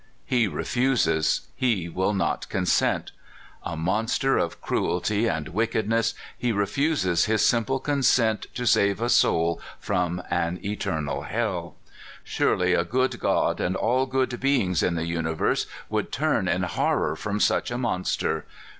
He refuses; he will not consent. A monster of cruelty and wickedness, he refuses his simple consent to save a soul from an eternal hell ! Surely a good God and all good beings in the uni verse would turn in horror from such a monster.